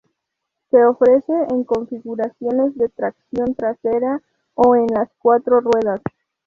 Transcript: Se ofrece en configuraciones de tracción trasera o en las cuatro ruedas.